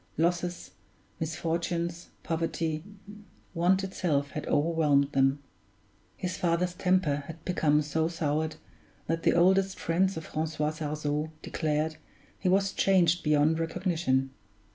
Losses, misfortunes, poverty, want itself had overwhelmed them; his father's temper had become so soured, that the oldest friends of Francois Sarzeau declared he was changed beyond recognition.